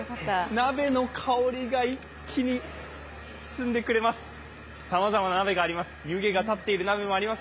鍋の香りが一気に包んでくれます。